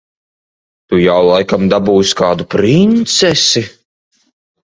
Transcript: Tu jau laikam dabūsi kādu princesi.